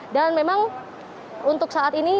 dan memang untuk saat ini